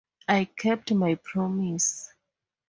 I kept my promise.